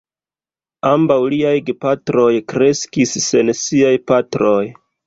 Ambaŭ liaj gepatroj kreskis sen siaj patroj.